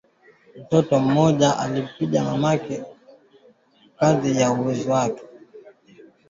Muku rima amuna miza